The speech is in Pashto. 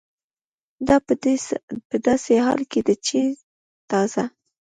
دا په داسې حال کې ده چې تازه